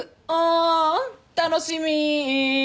「あ楽しみ」